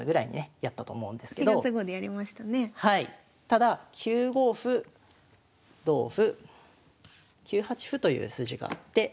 ただ９五歩同歩９八歩という筋があって。